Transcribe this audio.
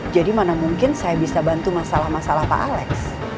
jadi mana mungkin saya bisa bantu masalah masalah pak alex